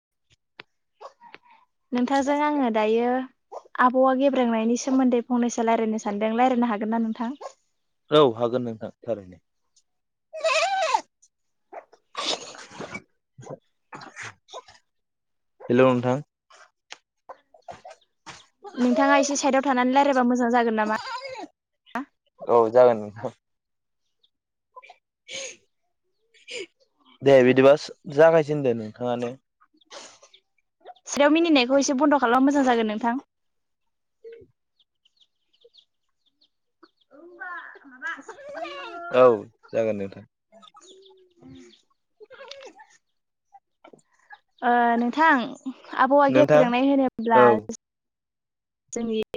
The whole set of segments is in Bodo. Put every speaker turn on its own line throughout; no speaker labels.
[unintelligible]
नोंथांजों आङो दायो। आबौआ गेब्रोंनायनि सोमोन्दै फंनैसो रायजलायनो सानदों रायजलायनो हागोनना नोंथां?
औ हागोन नोंथां थारैनो। [unintelligible] हेलौ नोंथां।
नोंथाङा एसे साइडआव थानानै रायज्लायबा मोजां जागोन नामा।
औ जागोन नोंथां। [inaudible] दे बिदिबा सो जागायजेनदो नोंथाङानो।
स्रायाव मिनिनायखौ एसे बन्द' खालाम मोजां जागोन नोंथां।
औ जागोन नोंथां।
उम।
[inaudible]
ओ नोंथां आबहावआ
नोंथां
गेब्रेंनाय
औ
होनोब्ला जो जोंनि [inaudible] [inaudible] [inaudible]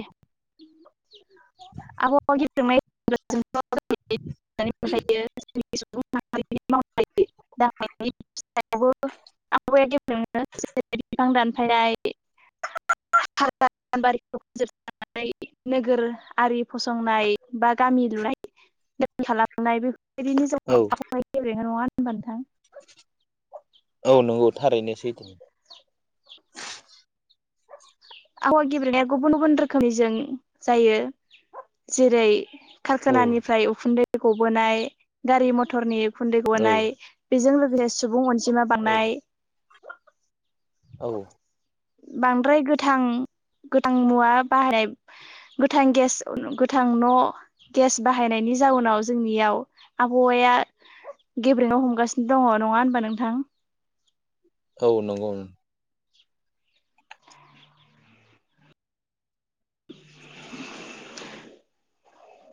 जों बिफां दानफायनाय [unintelligible] [unintelligible] बारि नोगोरारि फसंनाय बा गामि लुनाय [unintelligible] [unintelligible] नङा
औ
होनबा नोंथां
औ नंगौ थारैनो सैथो
आहा गेबेनाया गुबुन गुबुन रोखोमनिजों जायो जेरै
औ
कारखानानिफ्राय उखुन्दै गबोनाय गारि मथरनि उखुन्दै
औ
गनाय बेजों लोगोसे सुबुं अनजिमा
औ
बांनाय
औ
बांद्राय गोथां गोथां मुवा बाहायनाय गोथां गेस गोथां न' गेस बाहायनायनि जाउनाव जोंनियाव आबहावाया गेब्रेंनो हमगासिनो दङ नङा होनबा नोंथां
औ नंगौ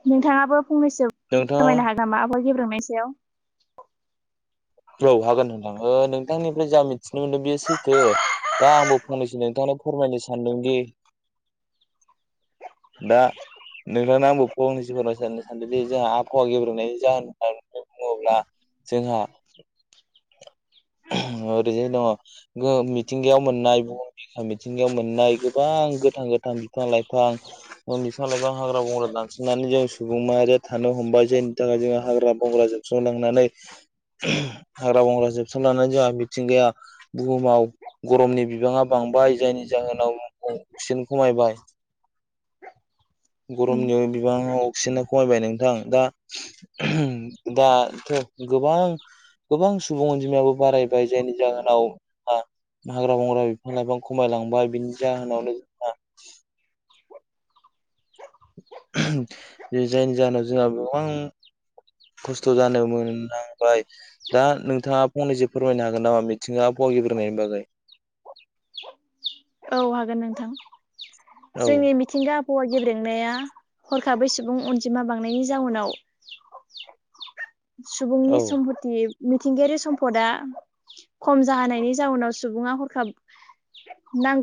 नोंथाङाबो फंनैसो
नोंथाङा
फोरमायनो हागोन नामा आबहावा गेब्रेंनायनि सायाव
औ हागोन नोंथां ओ नोंथांनिफ्राय जा मिथिनो मोनो बेयो सैथो दा आंबो फंनैसो नोंथांनो फोरमायनो सानदोंदि दा नोंथांनो आंबो फंनैसो फोरमाय सनो सानदोंदि जोंहा आबहावा गेब्रेंयनायनि जाहोन बुङोब्ला जोंहा [inaudible] ओरैजाय दङ मिथिंगायाव मोननाय बहुम बिखा मिथिंगायाव मोननाय गोबां गोथां गोथां बिफां लाइफां बिफां लाइफां हाग्रा बंग्रा दानस्रांनानै जों सुबुं माहारिया थानो हमबाय बिनि थाखाय जो हाग्रा बंग्रा जोबस्रांलांनानै हाग्रा बंग्रा समलानै जोंहा मिथिंगाया बुहुमाव गरमनि बिबाङा बांबाय जायनि जाहोनाव सिम खमायबाय गरमनि बिबांया अक्सिजेना खमायबाय नोंथां दा दाथ' गोबां गोबां सुबुं अनजिमायाबो बारायबाय जायनि जाहोनाव हाग्रा बंग्रा बिफां लाइफां खमायलांबाय बिनि जाहोनावनो जोंहा जायनि जाहोनाव जोंहा गोबां खस्थ' जानो मोननांबाय दा नोंथाङा फंनैसो फोरमायनो हागोन नामा मिथिंगा [unintelligible] गेब्रेंनायनि बागै
औ हागोन नोंथां
औ
जोंनि मिथिंगा आबहावा गेब्रेंनाया हरखाबै सुबुं अनजिमा बांनायनि जाउनाव सुबुंनि
औ
सम्फथि मिथिंगायारि सम्पदा खम जाहोनायनि जाउनाव सुबुङा हरखाब नांगौ आव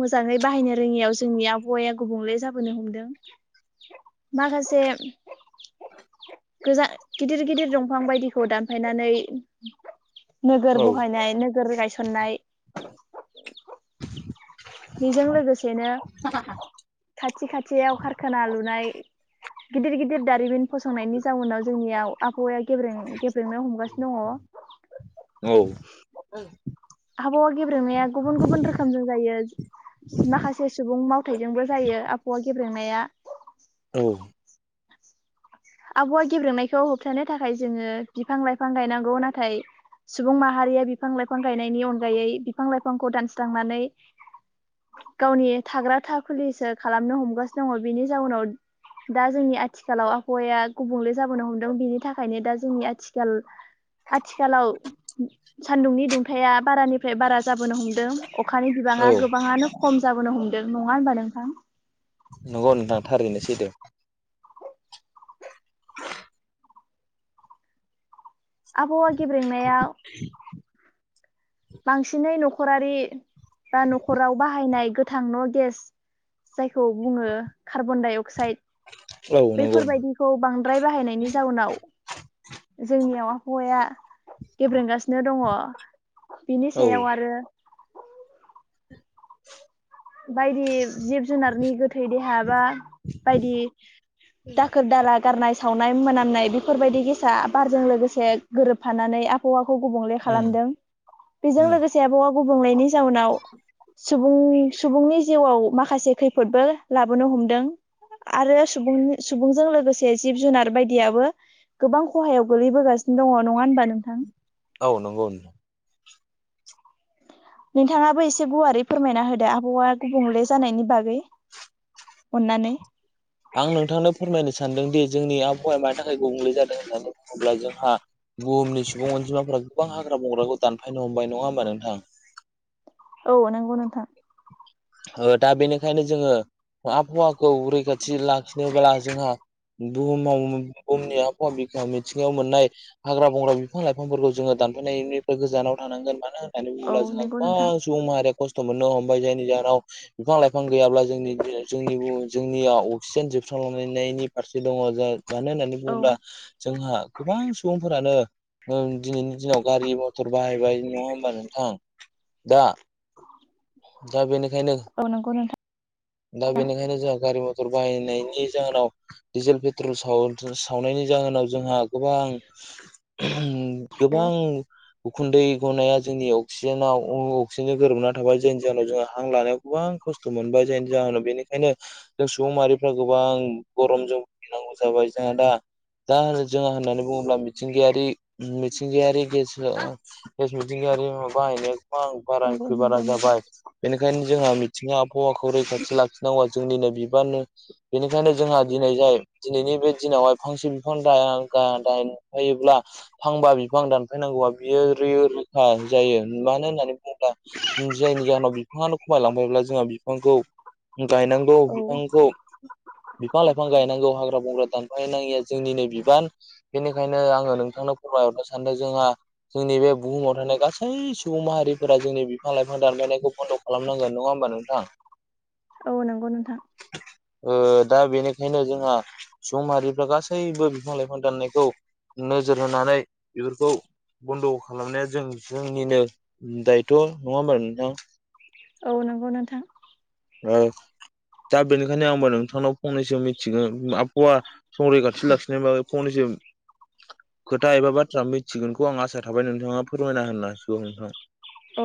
मोजाङै बाहायनो रोङियाव जोंनि आबहावाया गुबुंले जाबोनो हमदों माखासे गोजा गिदिर गिदिर दंफां बायदिखौ दानफायनानै नोगोर
औ
बहायनाय नोगोर गायसननाय बेजों लोगोसेनो खाथि खाथियाव खारखाना लु नाय गिदिर गिदिर दारिमिन फसंनायनि जाउनाव जोंनियाव आबहावाया गेब्रें- गेब्रेंनो हमगासिनो दङ
औ
आबहावा गेब्रेंनाया गुबुन गुबुन रोखोमजों जायो माखासे सुबुं मावथायजोंबो जायो आबहावा गेब्रेंनाया
औ
आबौा गेब्रोंनायखौ होबथानो थाखाय जोङो बिफां लाइफां गायनांगौ नाथाय सुबुं माहारिया बिफां लाइफां गायनायनि अनगायै बिफां लाइफांखौ दानस्रांनानै गावनि थाग्रा थ खुलिसो खालामनो हमगासिनो दङ बेनि जाउनाव दा जोंनि आथिखालाव हौवाया गुबुंले जाबोनो हमदों बेनि थाखायनो दा जोंनि आथिखाल आथिखालाव सान्दुंनि दुंथाया बारानिफ्राय बारा जाबोनो हमदों। अखानि बिबाङा
औ
गोबाङानो खम जाबोनो हमदों नङा होनबा नोंथां।
नंगौ नोंथां थारैनो सैथो
आबहावा गेब्रेंनाया बांसिनै न'खरारि बा न'खराव बाहायनाय गोथ गोथां न' गेस जायखौ बुङो कार्बन डाइ अक्साइड
औ नंगौ
बेफोरबायदिखौ बांद्राय बाहायनायनि जाउनाव जोंनियाव हौवाया गेब्रेंगासिनो दङ बिनि
औ
सायाव
उम
आरो बायदि जिब जुनारनि गोथै देहा बा बायदि दाखोर दाला गारनाय सावनाय मोनामनाय बेफोरबायदि गि फिसा बारजों लोगोसे गोरोबफानानै आबहा गुबुंले खालामदों। बेजों
उम
लोगोसे आब' गुबुंनायनि जाउनाव सुबुं सुबुंनि जिउआव माखासे खैफोदबो लाबोनो हमदों। आरो सुबुं सुबुंजों लोगोसे जिब जुनार बायदियाबो गोबां खहायाव गोलैबोगासिनो दङ नङा होनबा नोंथां।
औ नंगौ।
नोंथाङाबो एसे गुवारै फोरमायना होदो आबावा गुबुंले जानायनि बागै। अननानै
आं नोंथांनो फोरमायनो सानदोंदि। जोंनि आबहावाया मानि थाखाय गुबुंले जादों होननानै बुङोब्ला जोंहा बुहुमनि सुबुं अनजिमाफोरा्रा गोबां हाग्रा बंग्राखौ दानफायनो हमबाय नङा होमबा नोंथां।
औ नंगौ नोंथां।
ओ दा बेनिखायनो जोङो आबहावाखौ रैखाथि लाखिनोब्ला जोंहा बुहुमाव बुहुमनि आबहावा बिायाव मिथिङायाव मोननाय हाग्रा बंग्रा बिफां लाइफांफोरखौ जोङो दा दाननायनिफ्राय गोजानाव थानांगोन मानो होना मानो
औ
बुंब्ला जोंहा
नंगौ नोंथां
गोबां सुबुं माहारिया खस्थ' मोननो हमबाय जायोनि ज बिफां लाइफां गैयाब्ला जों जोंनियाव अक्सिजेन जोबस्रांलांनायनि फारसे दङ मानो होननानै
औ
बुङोब्ला जोंहा गोबां सुबुंफोरानो ओ दिनैनि दिनाव गारि मथर बाहायबाय नङा होमबा नोंथां। दा दा बेनोख [unintelligible]
अ‌ नंगौ नोंथा।
मटर बाहायनायनि जाहोनाव डिजेल पेट्रल सावनायनि जाहोनाव जोंहा गोबां गोबां [unintelligible] उखुन्दै गनाया जोंनि अक्सिजेनाव अक्सिजेनजों गोरोबना थाबाय जायनि जाहोनाव जोंहा हां लानायाव गोबां खस्थ मोनबाय जाय जाहोनाव बेनिखायनो जों सुबुं मारिफ्रा गोबां गरमजों फनांगौ जाबाय जोंहा दा दा होनो जोहा होननानै बुङोब्ला मिथिंगायारि मिथिंगायारिेसस मिथिंगायारि [inaudible] म एबां बारा
औ
इखुय बारा
नंगौ नोंथां
जाबाय बेनिखायनो जोंहा मिथिंगा आबहावाखौ [inaudible] लाखिनांगौ जोंनिनो बिबानो बेनिखायनो जोंहा दिनै जाय दिनैनि बे दिनावहाय फांसे बिफां द दुफायोब्ला फांबा बिफां दानफायनांगौआ बियो र रखा [unintelligible] जायो मानो होननानै बुङोब्ला जायनि जाहोनाव बिफांआनो खमायलांबायब्ला जोंहा बिांखौ [inaudible] गायनांगौ
औ
बिफांखौ बिफां लाइफां गायनांगौ हाग्रा बंग्रा दानफाय नाङिया जोंनिनो‌ बिबान बेनिखायनो आङो नोंथांनो फोरमायहरनो सानदों जोंहा जोंनि बे बुहुमाव थानाय गासै सुबुं माहारिफोरा जोंनि बिफां लाइफां दानफायनायखौ बन्द' खालामनांगोन नङा होनबा नोथां [unintelligible]
औ नंगौ नोंथां
ओ दा बेनिखायनो जोंहा सुबुं माहारिफ्रा गासैबो बिफां लाइफां दाननायखौ नोजोर होनानै बेफोरखौ बन्द' खालामनाया जों जोंनिनो दायथ'। नङा होमबा नोंथां
औ नंगौ नोंथां।
ओ दा बेनिखायनो आंबो नोंथांनाव फंनैसो मिथिगोन आबहावा संरैखाथि लाखिनायबाबो फंनैसो उम। खोथा एबा बाथ्रा मिथिगोनखौ आं आसा थाबाय नोंथाङा फोरमायना होनना हासिगौ।
औ।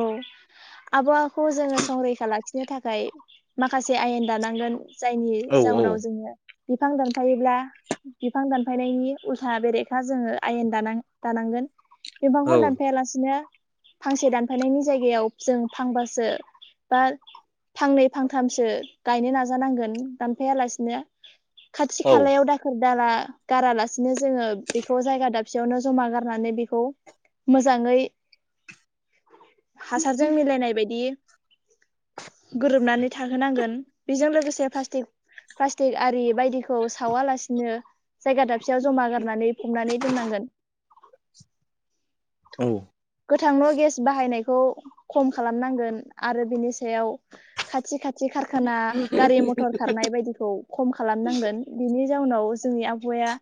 आबहावाखौ जोङो संरैखा लाखिनो थाखाय माखासे आयेन दानांगोन। जायनि
औ औ
जाउनाव जोङो बिफां दानफायोब्ला बिफां दानफायनायनि उल्था बेरेखा जोङो आयेन दानां दानांगोन। बिफांखौ
औ
दानफायालासिनो फांसे दानफायनायनि जायगायाव जों फांबासो बा फांनै फांथामसो गायनो नाजानांगोन दानफायालासिनो खाथि खालायाव दाखोर दाला गारालासिनो जोङो बेखौ जायगा दाबसेयावनो जमा गारनानै बेखौ मोजाङै हासारजों मिलायनाय बायदि गोरोबनानै थाहोनांगोन बेजों लोगोसे प्लास्टिक प्लासटिक आरि बायदिखौ सावालासिनो जायगा दाबसेयाव जमा गारनानै फमनानै दोननांगोन
औ।
गोथांन' गेस बाहायनायखौ खम खालामनांगोन आरो बिनि सायाव खाथि खाथ थि खारखाना गारि मथर खारनाय बायदिखौ खम खालामनांगोन बिनि जाउनाव जोंनि आबहावाया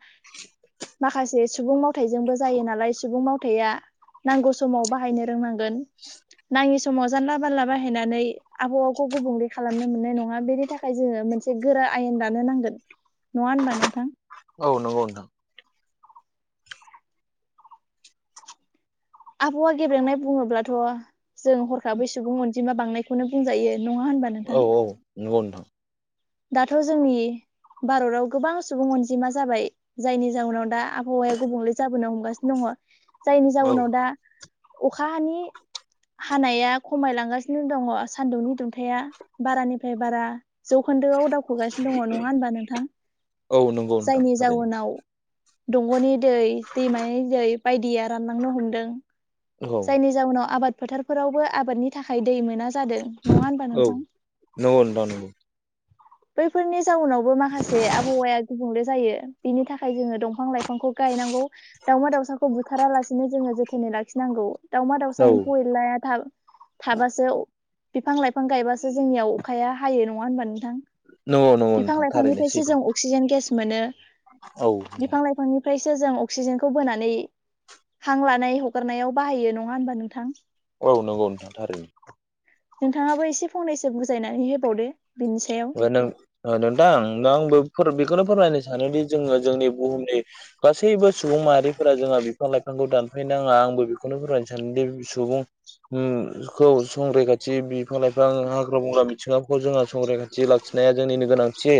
माखासे सुबुं मावथायजोंबो जायो नालाय सुबुं मावथाया नांगौ समाव बाहायनो रोंनांगोन नाङि स समाव जानला बानला बाहायनानै आबहावाखौ गुबुंले खालामनो मोननाय नङा बेनि थाखाय जोङो मोनसे गोरा आयेन दानो नांगोन नङा होनबा नोंथां?
नंगौ औ।
आबहावा गेब्रेंनाय बुङोब्लाथ' जों हरखाबै सुबुं अनजिमा बांनायखौनो बुंजायो। नङा होनबा नोंथां
औ औ नंगौ नोंथां।
दाथ' जोंनि भारताव गोबां सुबुं अनजिमा जाबाय जायनि जाउनाव दा आबहावाया गुबुंले जाबोनो हमगासिनो दङ। जायनि
औ
जाउनाव दा अखा हानि हानाया खमायलांगासिनो दङ सान्दुंनि दुंथाया बारानिफ्राय बारा जौ खोन्दोआव दावखोगासिनो दङ नङा होनबा नोंथां?
औ नंगौ नोंथां
जायनि
थारैनो
जाउनाव दंग'नि दै दैमानि दै बायदिया रानलांनो हमदों।
औ
जायनि जाउनाव आबाद फोथारफोरावबो आबादनि थाखाय दै मोना जादों नङा होनबा
औ
नोंथां?
नंगौ नोंथां नंगौ
बैफोरनि जाउनावबो माखासे आबहावाया गुबुंले जायो बिनि थाखाय जोङो दंफां लाइफांखौ गायनांगौ दाउमा दाउसाखौ बुथारालासिनो जोङो जोथोनै लाखिनांगौ दावमा दाउसा
औ
एम्फौ एनलाया थाब थाबासो बिफां लाइफां गायबासो जोंनियाव अखाया हायो नङा होनबा नोंथां?
नंगौ नंगौ
बिफां
नोंथां थारैनो
लाइफांनिफ्रायसो
सैथो
जों अक्सिजेन गेस मोनो
औ नोंथां
बिफां लाइफांनि ओमफ्रायसो जों अक्सिजेनखौ बोनानै हां लानाय हगारनायाव बाहायो नङा हबा नोंथां?
औ नंगौ नोंथां थार।
नोंथाङाबो एसे फंनैसो बुजायनानै होबावदो बिनि सायाव
ओमफ्राय नों नोंथां दा आंबो बेखौनो फोरमायनो सानोदि जोङो जोंनि बुहुमनि गासैबो सु सुबुं माहारिफोरा जोंहा बिफां लाइफांखौ दानफायनााङा आंबो बेखौनो फोरमायनो सानोदि सुबुं उम खौ संरैखाथि बिफां लाइफां हाग्रा बंग्रा बिथिङावखौ जोङो संरैखा लाखिनाया जोंनिनो गोनांथि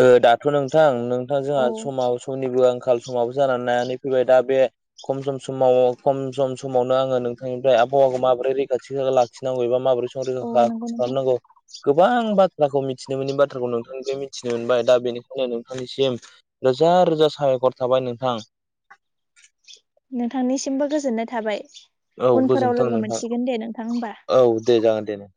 ओ दाथ' नोंथां नों नोंथां जोंहा
औ
समा समनिबो आंखाल खाल समाबो जानानै नायानानै फैबाय दा बे खम सम समाव खम सम समावनो आङो नोंथांनिफ्राय आबहावाखौ माबोरै रैखाथि लाखिनांगौ एबा माबोरै सम रैखा
औ नंगौ नोंथां
खालामनांगौ गोबां बाथ्राखौ मिथिनो मोननि बाथ्राखौ नोंथांनिफ्राय मिथिनो मोनबाय दा बेनिखायनो नोंथांनिसिम रोजा रोजा साबायखर थाबाय नोंथां
नोंथांनिसिमबो गोजोननाय थाबाय
औ
उनफोराव
गोजोन्थों
लोगो
नोंथां
मोनसिगोन दे नोंथां होमबा
औ दे जागोन दे नों